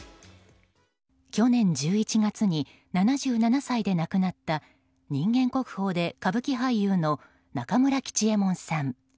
去年１１月に７７歳で亡くなった人間国宝で歌舞伎俳優の中村吉右衛門さん。